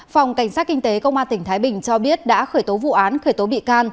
phòng cảnh sát kinh tế công an tỉnh thái bình cho biết đã khởi tố vụ án khởi tố bị can